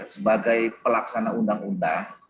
sebagai pelaksana undang undang